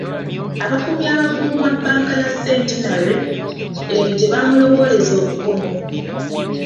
Abakuumi abakuuuma bbanka ya Centenary eno gye baamulowooleza okuba omubbi.